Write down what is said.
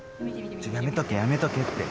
ちょっとやめとけやめとけって！